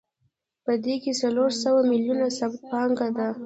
په دې کې څلور سوه میلیونه ثابته پانګه ده